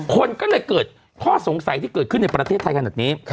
คนก็เลยเกิดข้อสงสัยที่เกิดขึ้นในประเทศไทยขนาดนี้